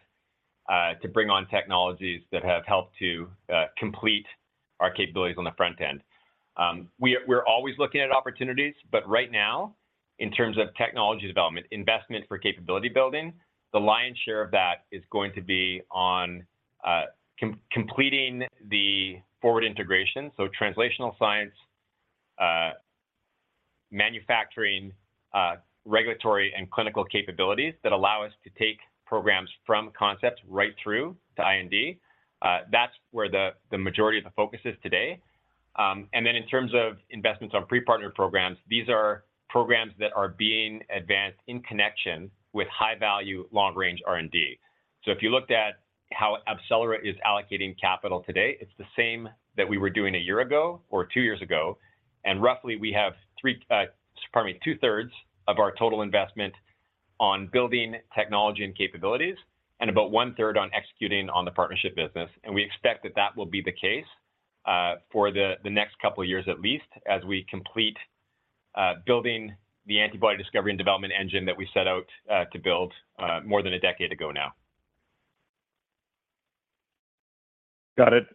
to bring on technologies that have helped to complete our capabilities on the front end. We're always looking at opportunities, but right now, in terms of technology development, investment for capability building, the lion's share of that is going to be on completing the forward integration, so translational science, manufacturing, regulatory and clinical capabilities that allow us to take programs from concept right through to IND. That's where the majority of the focus is today. In terms of investments on pre-partner programs, these are programs that are being advanced in connection with high-value long-range R&D. If you looked at how AbCellera is allocating capital today, it's the same that we were doing a year ago or two years ago. Roughly we have pardon me, two-thirds of our total investment on building technology and capabilities and about one-third on executing on the partnership business. We expect that that will be the case for the next couple of years at least as we complete building the antibody discovery and development engine that we set out to build more than a decade ago now. Got it.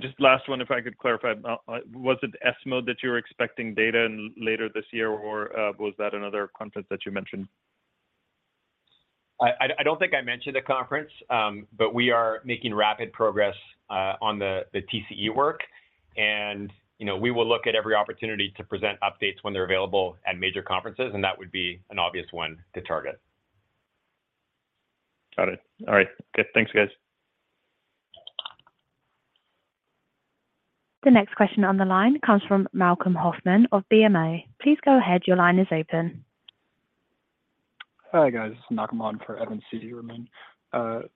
Just last one, if I could clarify. Was it ESMO that you're expecting data in later this year, or, was that another conference that you mentioned? I don't think I mentioned the conference, but we are making rapid progress on the TCE work. You know, we will look at every opportunity to present updates when they're available at major conferences, and that would be an obvious one to target. Got it. All right. Good. Thanks, guys. The next question on the line comes from Malcolm Hoffman of BMO Capital Markets. Please go ahead. Your line is open. Hi, guys. This is Malcolm on for Evan Seigerman.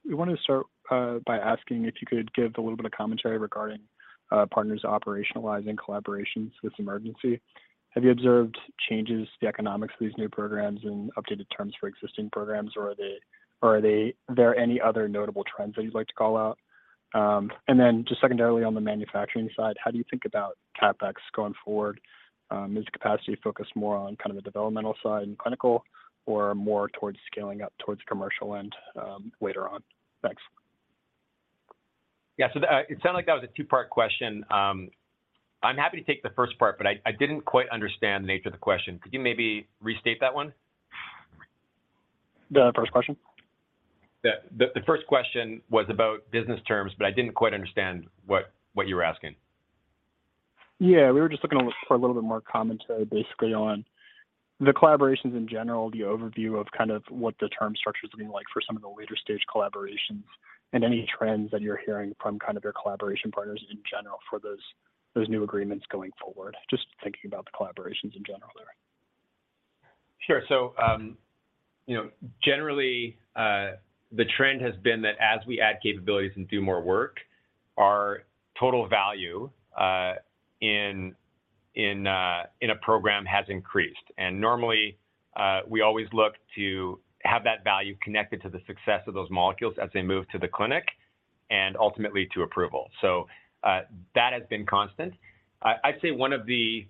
We wanted to start by asking if you could give a little bit of commentary regarding partners operationalizing collaborations with emergency. Have you observed changes to the economics of these new programs and updated terms for existing programs, or are there any other notable trends that you'd like to call out? Just secondarily on the manufacturing side, how do you think about CapEx going forward? Is the capacity focused more on kind of the developmental side and clinical or more towards scaling up towards commercial end later on? Thanks. Yeah. It sounded like that was a 2-part question. I'm happy to take the first part, but I didn't quite understand the nature of the question. Could you maybe restate that one? The first question. The first question was about business terms, but I didn't quite understand what you were asking. Yeah. We were just looking for a little bit more commentary basically on the collaborations in general, the overview of kind of what the term structure is going to be like for some of the later stage collaborations and any trends that you're hearing from kind of your collaboration partners in general for those new agreements going forward. Just thinking about the collaborations in general there. Sure. you know, generally, the trend has been that as we add capabilities and do more work, our total value in a program has increased. Normally, we always look to have that value connected to the success of those molecules as they move to the clinic and ultimately to approval. That has been constant. I'd say one of the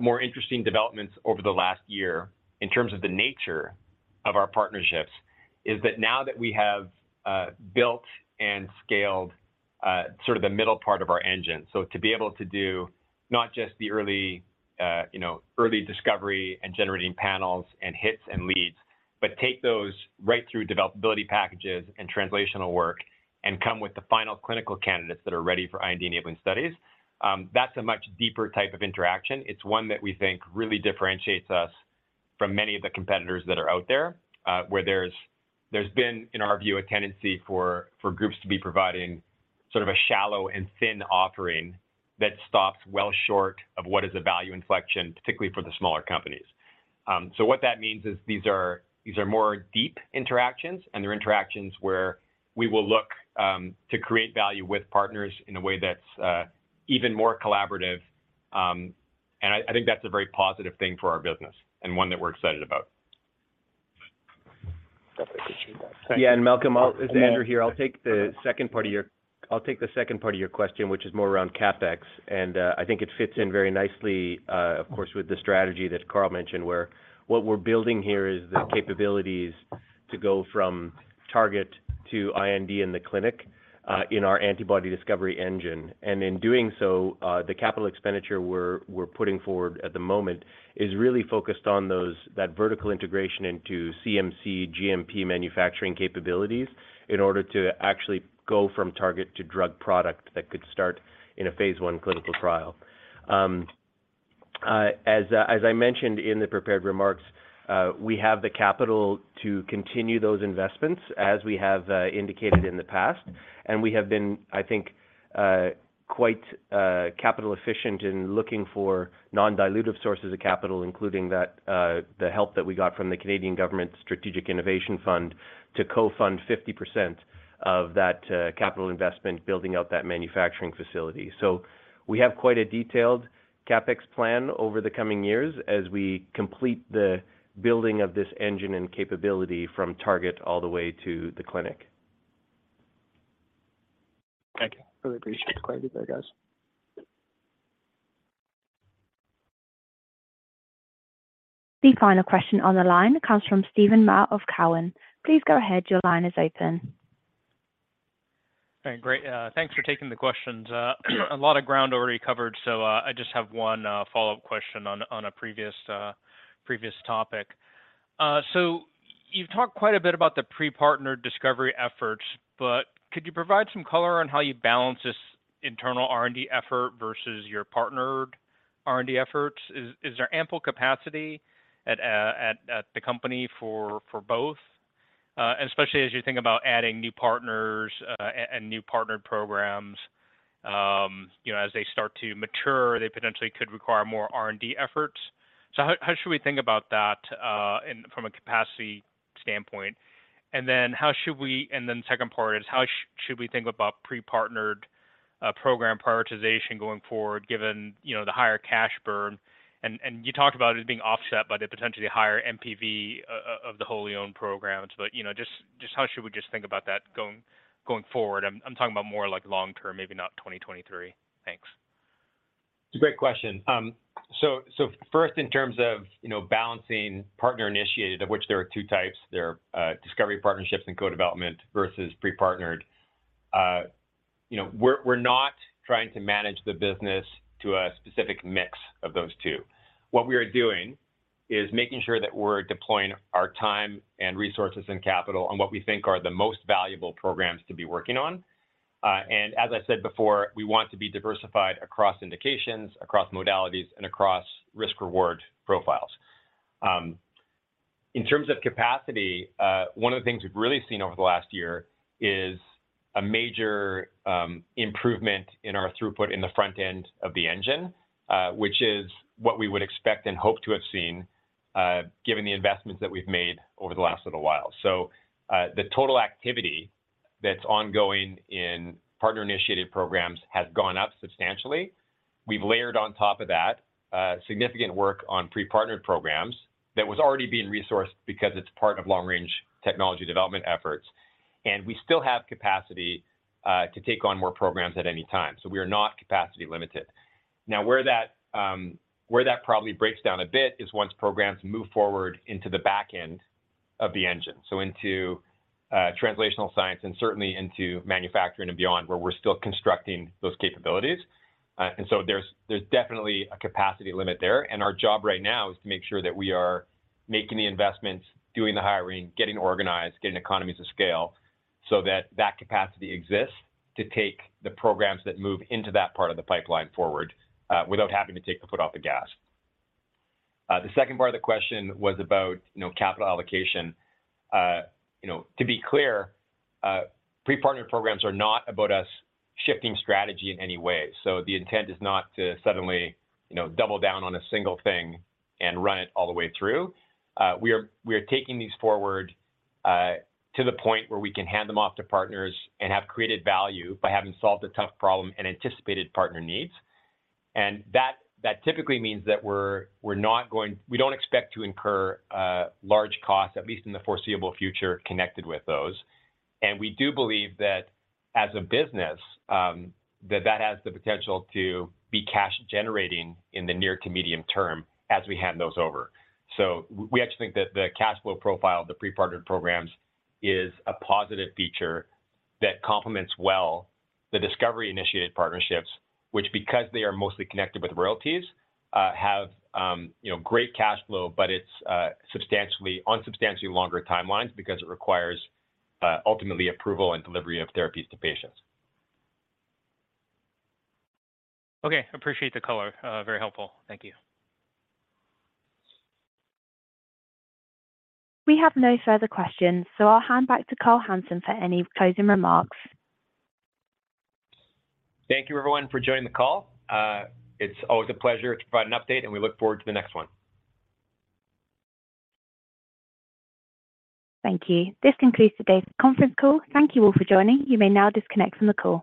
more interesting developments over the last year in terms of the nature of our partnerships is that now that we have built and scaled sort of the middle part of our engine, so to be able to do not just the early, you know, early discovery and generating panels and hits and leads, but take those right through developability packages and translational work and come with the final clinical candidates that are ready for IND-enabling studies. That's a much deeper type of interaction. It's one that we think really differentiates us from many of the competitors that are out there, where there's been, in our view, a tendency for groups to be providing sort of a shallow and thin offering that stops well short of what is a value inflection, particularly for the smaller companies. What that means is these are more deep interactions, and they're interactions where we will look to create value with partners in a way that's even more collaborative. I think that's a very positive thing for our business and one that we're excited about. Definitely appreciate that. Thank you. Yeah. Malcolm, this is Andrew here. I'll take the second part of your question, which is more around CapEx. I think it fits in very nicely, of course, with the strategy that Carl mentioned, where what we're building here is the capabilities to go from target to IND in the clinic, in our antibody discovery engine. In doing so, the capital expenditure we're putting forward at the moment is really focused on that vertical integration into CMC GMP manufacturing capabilities in order to actually go from target to drug product that could start in a phase 1 clinical trial. As I mentioned in the prepared remarks, we have the capital to continue those investments as we have indicated in the past. We have been, I think, quite capital efficient in looking for non-dilutive sources of capital, including the help that we got from the Government of Canada's Strategic Innovation Fund to co-fund 50% of that capital investment building out that manufacturing facility. We have quite a detailed CapEx plan over the coming years as we complete the building of this engine and capability from target all the way to the clinic. Thank you. Really appreciate the clarity there, guys. The final question on the line comes from Stephen Ma of Cowen. Please go ahead. Your line is open. All right. Great. Thanks for taking the questions. A lot of ground already covered, so, I just have one follow-up question on a previous topic. You've talked quite a bit about the pre-partnered discovery efforts, but could you provide some color on how you balance this internal R&D effort versus your partnered R&D efforts? Is there ample capacity at the company for both? Especially as you think about adding new partners, and new partner programs, you know, as they start to mature, they potentially could require more R&D efforts. How should we think about that from a capacity standpoint? Then how should we? Then second part is how should we think about pre-partnered program prioritization going forward, given, you know, the higher cash burn? You talked about it as being offset by the potentially higher NPV of the wholly owned programs. You know, just how should we just think about that going forward? I'm talking about more like long term, maybe not 2023. Thanks. It's a great question. First in terms of, you know, balancing partner-initiated, of which there are two types, there are discovery partnerships and co-development versus pre-partnered. You know, we're not trying to manage the business to a specific mix of those two. What we are doing is making sure that we're deploying our time and resources and capital on what we think are the most valuable programs to be working on. As I said before, we want to be diversified across indications, across modalities, and across risk-reward profiles. In terms of capacity, one of the things we've really seen over the last year is a major improvement in our throughput in the front end of the engine, which is what we would expect and hope to have seen, given the investments that we've made over the last little while. The total activity that's ongoing in partner-initiated programs has gone up substantially. We've layered on top of that significant work on pre-partnered programs that was already being resourced because it's part of long-range technology development efforts, and we still have capacity to take on more programs at any time. We are not capacity limited. Where that probably breaks down a bit is once programs move forward into the back end of the engine, so into translational science and certainly into manufacturing and beyond, where we're still constructing those capabilities. There's definitely a capacity limit there, and our job right now is to make sure that we are making the investments, doing the hiring, getting organized, getting economies of scale, so that that capacity exists to take the programs that move into that part of the pipeline forward, without having to take the foot off the gas. The second part of the question was about, you know, capital allocation. You know, to be clear, pre-partnered programs are not about us shifting strategy in any way. The intent is not to suddenly, you know, double down on a single thing and run it all the way through. We are taking these forward to the point where we can hand them off to partners and have created value by having solved a tough problem and anticipated partner needs. That typically means that we don't expect to incur large costs, at least in the foreseeable future, connected with those. We do believe that as a business that has the potential to be cash-generating in the near to medium term as we hand those over. We actually think that the cash flow profile of the pre-partnered programs is a positive feature that complements well the discovery-initiated partnerships, which, because they are mostly connected with royalties, have, you know, great cash flow, but it's, substantially, on substantially longer timelines because it requires, ultimately approval and delivery of therapies to patients. Okay. Appreciate the color. Very helpful. Thank you. We have no further questions. I'll hand back to Carl Hansen for any closing remarks. Thank you, everyone, for joining the call. It's always a pleasure to provide an update, and we look forward to the next one. Thank you. This concludes today's conference call. Thank you all for joining. You may now disconnect from the call.